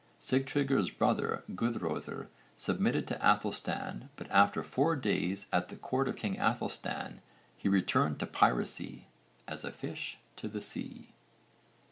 Sigtryggr's brother Guðröðr submitted to Aethelstan but after four days at the court of king Aethelstan 'he returned to piracy as a fish to the sea.'